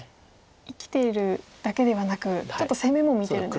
生きてるだけではなくちょっと攻めも見てるんですね。